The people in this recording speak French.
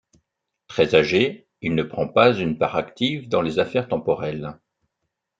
Très âgé, il ne prend pas une part active dans les affaires temporelles.